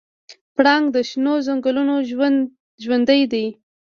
پړانګ د شنو ځنګلونو ژوندی دی.